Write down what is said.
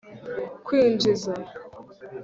kwinjiza